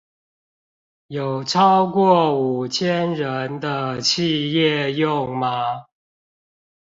有超過五千人的企業用嗎？